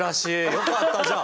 よかったじゃあ。